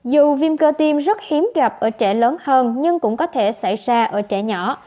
dù viêm cơ tim rất hiếm gặp ở trẻ lớn hơn nhưng cũng có thể xảy ra ở trẻ nhỏ